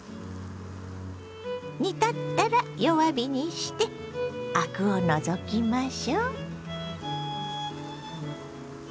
煮立ったら弱火にしてアクを除きましょう。